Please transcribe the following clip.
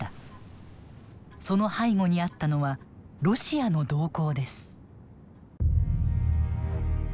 その背後にあったのはロシアの動向です。